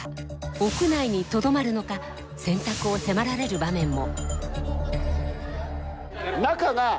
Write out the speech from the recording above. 屋内にとどまるのか選択を迫られる場面も。